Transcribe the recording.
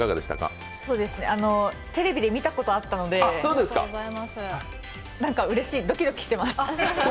テレビで見たことあったので、何かうれしい、ドキドキしてます。